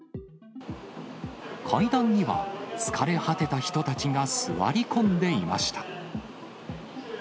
階段には疲れ果てた人たちが座り込んでいました。